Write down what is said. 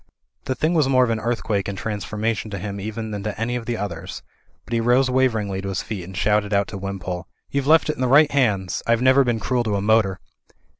The thing was more of an earthquake and transfor mation to him even than to any of the others; but he rose waveringly to his feet and shouted out to Wimpole. "YouVe left it in the right hands. I've never been cruel to a motor."